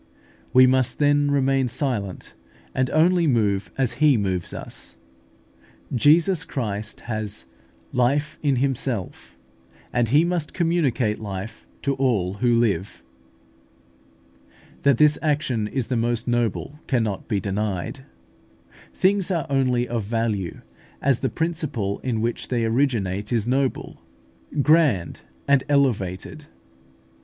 We must then remain silent, and only move as He moves us. Jesus Christ has life in Himself (John v. 26), and He must communicate life to all who live. That this action is the most noble cannot be denied. Things are only of value as the principle in which they originate is noble, grand, and elevated.